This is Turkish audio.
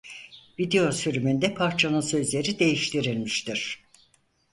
Video sürümünde parçanın sözleri değiştirilmiştir.